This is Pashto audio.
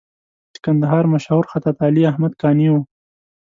د کندهار مشهور خطاط علي احمد قانع و.